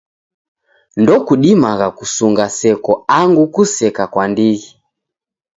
Ndokudimagha kusunga seko angu kuseka kwa ndighi.